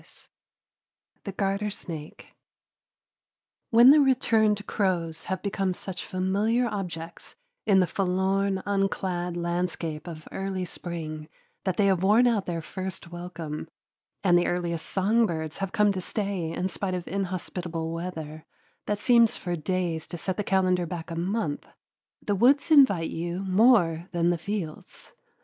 X THE GARTER SNAKE When the returned crows have become such familiar objects in the forlorn unclad landscape of early spring that they have worn out their first welcome, and the earliest songbirds have come to stay in spite of inhospitable weather that seems for days to set the calendar back a month, the woods invite you more than the fields.